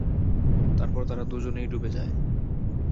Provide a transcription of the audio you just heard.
তারপর তারা দুজনই ডুবে যায়।